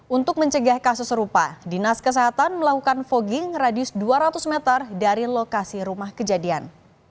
untuk mencegah kasus serupa dinas kesehatan melakukan fogging radius dua ratus meter dari lokasi rumah kejadian